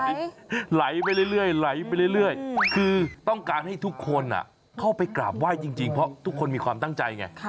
ไหลไปเรื่อยไหลไปเรื่อยคือต้องการให้ทุกคนเข้าไปกราบไหว้จริงเพราะทุกคนมีความตั้งใจไง